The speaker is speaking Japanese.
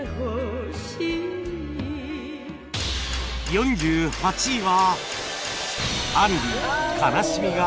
４８位は